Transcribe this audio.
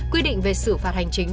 quy định về xử phạt hành chính